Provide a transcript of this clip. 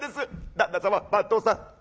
旦那様番頭さん